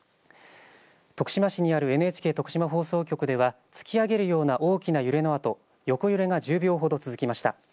徳島市にあるＮＨＫ徳島放送局では突き上げるような大きな揺れのあと横揺れが１０秒ほど続きました。